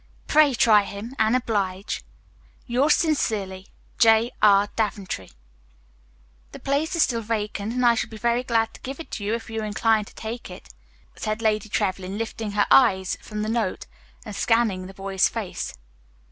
Pray try him, and oblige_, Yours sincerely, J. R. Daventry "The place is still vacant, and I shall be very glad to give it to you, if you incline to take it," said Lady Trevlyn, lifting her eyes from the note and scanning the boy's face.